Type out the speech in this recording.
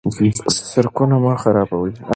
سرکونه مه خرابوئ.